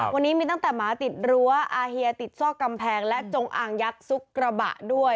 วันนี้มีตั้งแต่หมาติดรั้วอาเฮียติดซอกกำแพงและจงอางยักษ์ซุกระบะด้วย